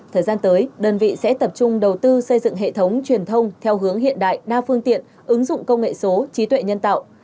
thời gian tới đơn vị sẽ tập trung đầu tư xây dựng hệ thống truyền thông theo hướng hiện đại đa phương tiện ứng dụng công nghệ số trí tuệ nhân tạo